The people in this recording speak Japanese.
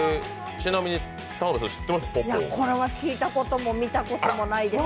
いや、これは聞いたことも見たこともないです。